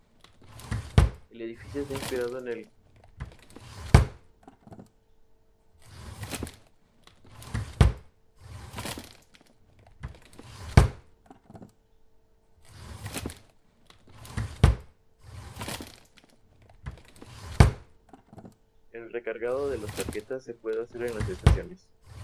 El recargado de las tarjetas se puede hacer en las estaciones.